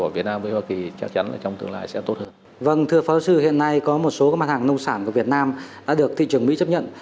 vâng thưa phó sư hiện nay có một số mặt hàng nông sản của việt nam đã được thị trường mỹ chấp nhận